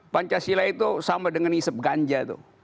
pancasila itu sama dengan isap ganja